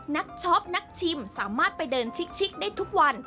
ช็อปนักชิมสามารถไปเดินชิกได้ทุกวัน